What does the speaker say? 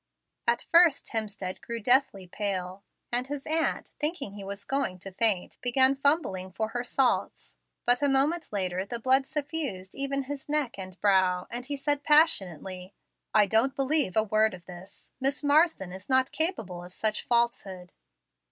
At first Hemstead grew deathly pale, and his aunt, thinking he was going to faint, began fumbling for her salts. But a moment later the blood suffused even his neck and brow, and he said passionately, "I don't believe a word of this; Miss Marsden is not capable of such falsehood."